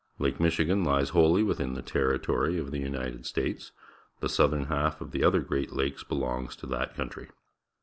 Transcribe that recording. Laize Michigan lies wholly within the terri tory of the L^nited States. The southern half of the other Great Lakes belongs to that country.